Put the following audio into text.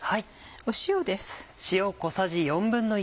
塩です。